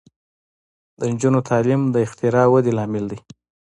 د نجونو تعلیم د اختراع ودې لامل دی.